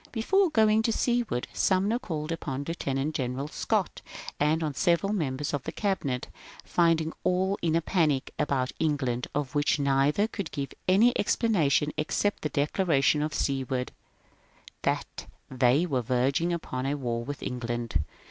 Before going to Seward, Sumner called upon Lieutenant General Scott and on several members of the Cabinet, finding all in a panic about England of which neither could give any explanation except the declaration of Seward, that they were verging upon a war with England.